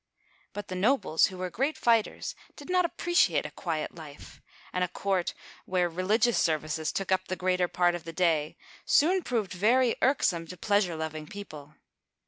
But the nobles, who were great fighters, did not appreciate a quiet life, and a court where religious services took up the greater part of the day soon proved very irksome to pleasure loving people.